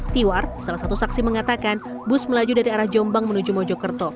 tiwar salah satu saksi mengatakan bus melaju dari arah jombang menuju mojokerto